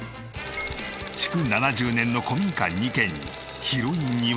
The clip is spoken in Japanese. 築７０年の古民家２軒に広い庭。